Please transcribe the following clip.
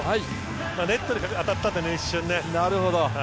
ネットに当たったのでね。